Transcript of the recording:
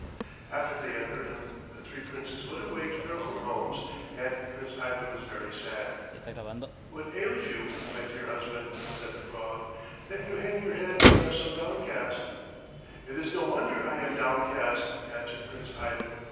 After they had heard him the three Princes went away to their own homes, and Prince Ivan was very sad. "What ails you, my dear husband," said the frog, "that you hang your head and are so downcast?" "It is no wonder I am downcast," answered Prince Ivan.